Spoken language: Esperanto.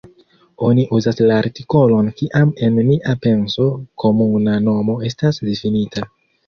Oni uzas la artikolon kiam en nia penso komuna nomo estas difinita.